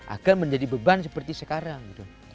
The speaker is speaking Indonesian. akan menjadi beban seperti sekarang